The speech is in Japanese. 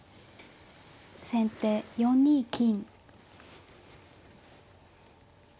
先手４二金。